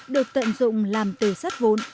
góp phần giáo dục y tế